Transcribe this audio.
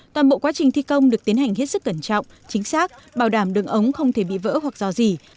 toàn bộ quá trình thi công được tiến hành hết sức cẩn trọng chính xác bảo đảm đường ống không thể bị vỡ hoặc dò dỉ